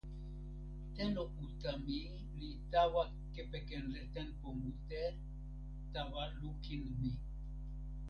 telo uta mi li tawa kepeken tenpo mute, tawa lukin mi.